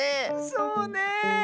そうねえ。